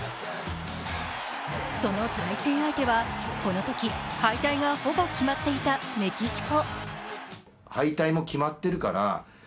その対戦相手はこのとき、敗退がほぼ決まっていたメキシコ。